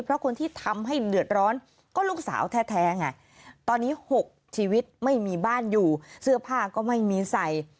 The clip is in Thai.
เพราะคนที่ทำให้เดือดร้อนก็ลูกสาวแท้ไงตอนนี้๖ชีวิตไม่มีบ้านอยู่เสื้อผ้าก็ไม่มีใส่